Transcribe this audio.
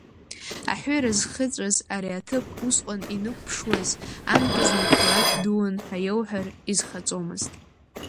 Аҳәира зхыҵәаз ари аҭыԥ усҟан инықәԥшуаз, анкьа зны қалақь дуун ҳәа иауҳәар, изхаҵомызт.